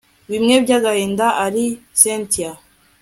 bimwe byagahinda areba cyntia